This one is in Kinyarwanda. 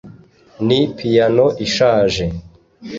ni piyano ishaje